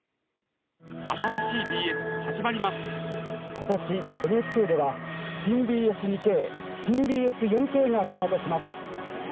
今年ＮＨＫでは新ＢＳ２Ｋ新ＢＳ４Ｋがスタートします！